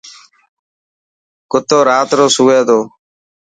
ڪتو رات رو سوي تيو.